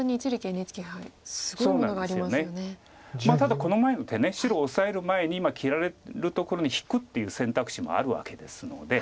ただこの前の手白オサえる前に切られるところに引くっていう選択肢もあるわけですので。